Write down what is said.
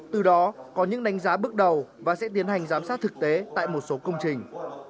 từ đó có những đánh giá bước đầu và sẽ tiến hành giám sát thực tế tại một số công trình